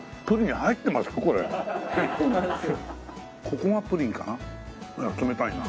ここがプリンかな？